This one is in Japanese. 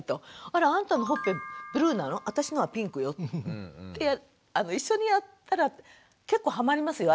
「あらあなたのほっぺブルーなの私のはピンクよ」って一緒にやったら結構ハマりますよ。